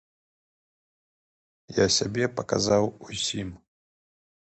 Я сябе паказаў усім.